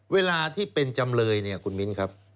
เวลาที่เป็นจำเลยเนี่ยคุณมิ้นครับ